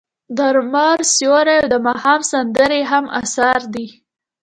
د لمر سیوری او د ماښام سندرې یې هم اثار دي.